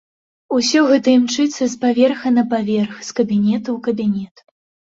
Усё гэта імчыцца з паверха на паверх, з кабінета ў кабінет.